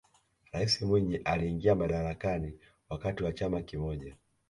raisi mwinyi aliingia madarakani wakati wa chama kimoja